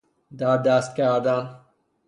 دردست کردن